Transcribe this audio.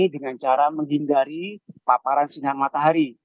dengan cara menghindari paparan sinar matahari